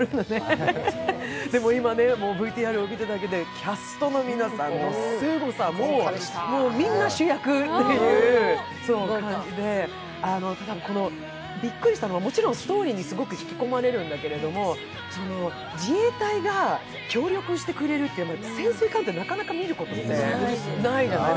でも今ね、ＶＴＲを見ただけでキャストの皆さんのすごさももうみんな主役という感じで、ただ、びっくりしたのは、もちろんストーリーにすごく引き込まれるんだけれども、自衛隊が協力してくれるっていうのは、潜水艦ってなかなか見る機会がないじゃない。